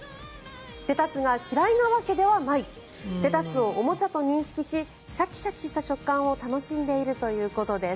レタスが嫌いなわけではないレタスをおもちゃと認識しシャキシャキした食感を楽しんでいるということです。